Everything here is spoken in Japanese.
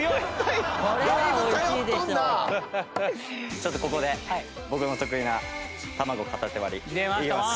ちょっとここで僕の得意な卵片手割りいきます。